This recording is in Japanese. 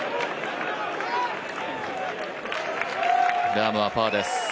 ラームはパーです。